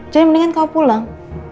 jadi mendingan kamu pulang